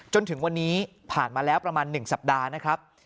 จนถึงวันนี้ผ่านมาแล้วประมาณ๑สัปดาห์นะครับ